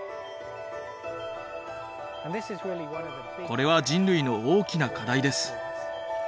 これは人類の大きな課題です。